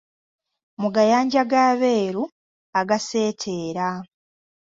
Mu gayanja g’abeeru agaaseeteera.